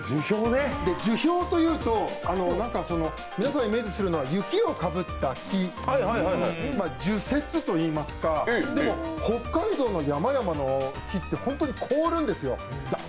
樹氷というと、皆さんイメージするのは、雪をかぶった木樹雪といいますか北海道の山々の木って本当に凍るんですよ。